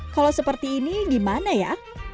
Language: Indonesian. kalau seperti ini gimana ya